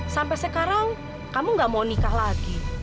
sampai sekarang kamu gak mau nikah lagi